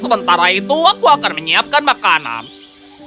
sementara itu aku akan menyiapkan makanan